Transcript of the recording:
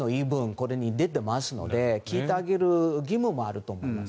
これに出ていますので聞いてあげる義務もあると思います。